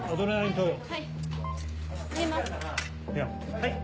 はい。